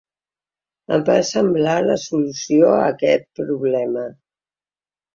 Em va semblar la solució a aquest problema.